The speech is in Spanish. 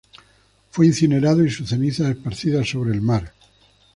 Fue incinerado y sus cenizas esparcidas sobre el mar.